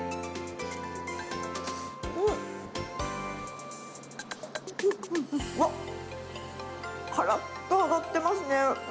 うわっ、からっと揚がってますね。